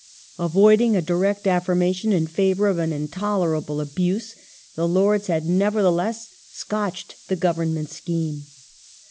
Avoiding a direct affirmation in favour of an intolerable abuse, the Lords had nevertheless scotched the Government scheme.